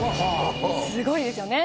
すごいですよね。